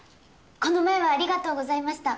この前はありがとうございました。